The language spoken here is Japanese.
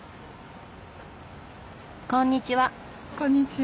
こんにちは。